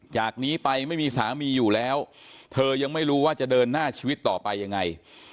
จากนี้ไปไม่มีสามีอยู่แล้วเธอยังไม่รู้ว่าจะเดินหน้าชีวิตต่อไปยังไง